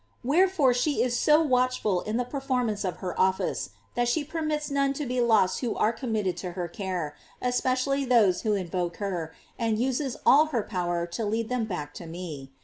Wherefore she is so watchful in the performance of her office that she permits none to be lost who are committed to her care, especially those who invoke her, and uses all her power to lead them back to me.